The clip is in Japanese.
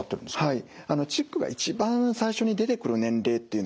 はい。